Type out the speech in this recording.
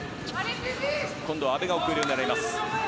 今度は阿部が奥襟を狙います。